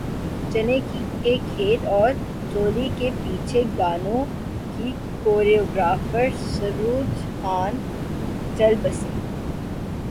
چنے کے کھیت اور چولی کے پیچھے گانوں کی کوریوگرافر سروج خان چل بسیں